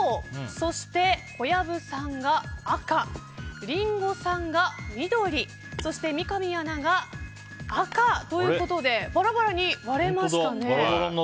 そして、小籔さんが赤リンゴさんが緑そして三上アナが赤ということでバラバラに割れましたね。